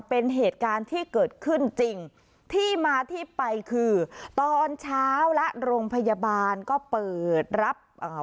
เป็นเหตุการณ์ที่เกิดขึ้นจริงที่มาที่ไปคือตอนเช้าและโรงพยาบาลก็เปิดรับเอ่อ